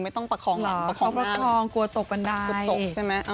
ไม่ต้องประคองหลังประคองหน้าพี่มิวก็ประคองกลัวตกบันได